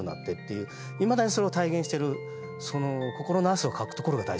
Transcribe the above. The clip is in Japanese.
いまだにそれを体現してる。